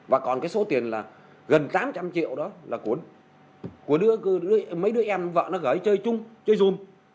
và còn cái số tiền là gần tám trăm linh triệu đó là của đưa mấy đứa em vợ nó gửi chơi chung chơi dùm